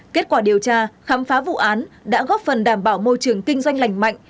kết quả điều tra khám phá vụ án đã góp phần đảm bảo môi trường kinh doanh lành mạnh